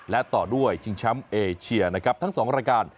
และต่อด้วยชิงแชมป์เอเชียนะครับทั้ง๒รายการ